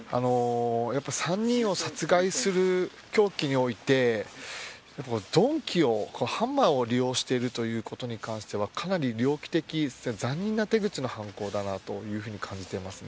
３人を殺害する凶器において鈍器を、ハンマーを利用しているということに関してはかなり猟奇的で残忍な手口の犯行だなと感じています。